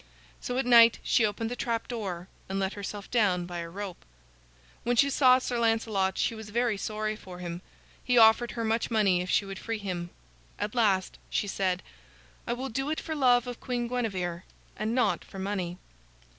So at night she opened the trapdoor and let herself down by a rope. When she saw Sir Lancelot she was very sorry for him. He offered her much money if she would free him. At last she said: "I will do it for love of Queen Guinevere and not for money."